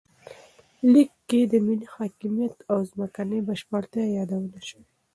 لیک کې د ملي حاکمیت او ځمکنۍ بشپړتیا یادونه شوې.